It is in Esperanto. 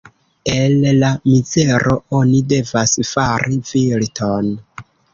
El la mizero oni devas fari virton.